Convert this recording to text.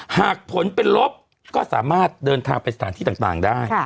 หากผลเป็นลบก็สามารถเดินทางไปสถานที่ต่างได้